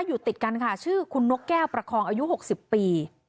อยู่ติดกันค่ะชื่อคุณนกแก้วประคองอายุ๖๐ปี